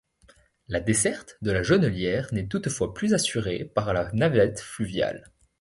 La desserte de la Jonelière n'est toutefois plus assurée par la navette fluviale.